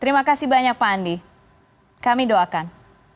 terima kasih banyak pak andi kami doakan